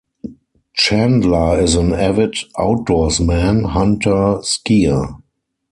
Chandler is an avid outdoorsman, hunter, skier.